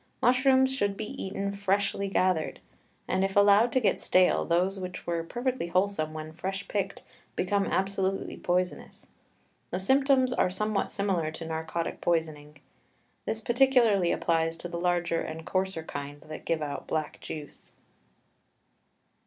Mushrooms should be eaten freshly gathered, and, if allowed to get stale, those which were perfectly wholesome when fresh picked become absolutely poisonous. The symptoms are somewhat similar to narcotic poisoning. This particularly applies to the larger and coarser kind that give out black juice.